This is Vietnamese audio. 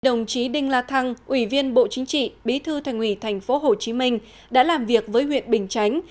đồng chí đinh la thăng ủy viên bộ chính trị bí thư thành ủy tp hcm đã làm việc với huyện bình chánh